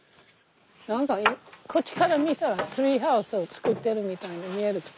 何かこっちから見たらツリーハウスを作ってるみたいに見える。